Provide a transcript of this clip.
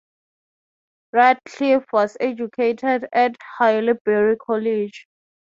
Radcliffe was educated at Haileybury College.